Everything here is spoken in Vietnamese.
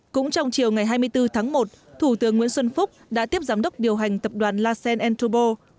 cũng trong chiều ngày hai mươi bốn tháng một thủ tướng nguyễn xuân phúc đã tiếp giám đốc điều hành tập đoàn lacen entubo